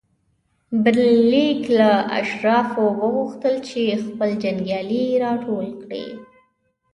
منیلیک له اشرافو وغوښتل چې خپل جنګیالي راټول کړي.